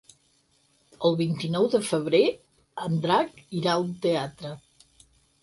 El vint-i-nou de febrer en Drac irà al teatre.